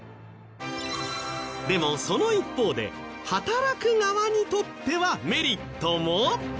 でもその一方で働く側にとってはメリットも！？